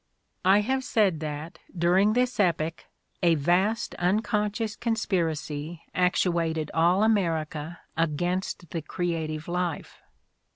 I have said that, during this epoch, a vast unconscious conspiracy actuated all America against the creative life.